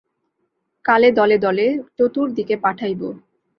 কালে দলে দলে চতুর্দিকে পাঠাইব।